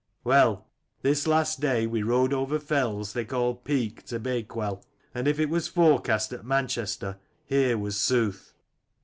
"Well, this last day we rode over fells they called Peak to Bakewell, and if it was forecast at Manchester, here was sooth.